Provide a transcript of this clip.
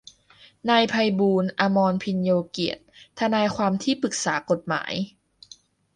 นายไพบูลย์ อมรภิญโญเกียรติ ทนายความที่ปรึกษากฏหมาย